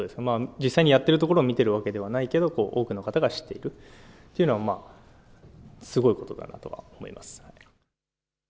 実際にやっているところを見ているわけではないですけど、多くの方が知っているというのは、すごいことだなとは思います。